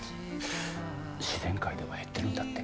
自然界では減ってるんだって。